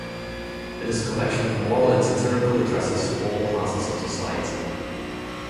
It is a collection of moral and satirical addresses to all classes of society.